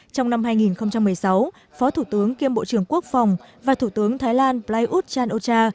trong năm hai nghìn một mươi sáu phó thủ tướng kiêm bộ trưởng quốc phòng và thủ tướng thái lan prayuth chan o cha